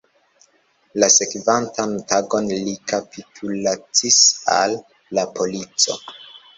La sekvantan tagon li kapitulacis al la polico.